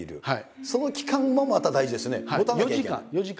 その期間もまた大事ですよねもたなきゃいけない。